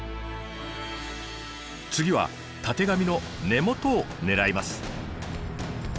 次はタテガミの根元を狙います。